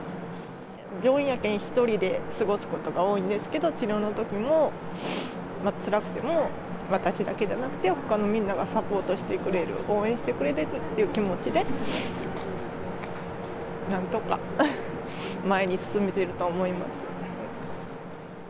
病院やけん、１人で過ごすことが多いんですけど、治療のときも、つらくても、私だけじゃなくて、ほかのみんながサポートしてくれる、応援してくれてるっていう気持ちで、なんとか前に進めていると思います。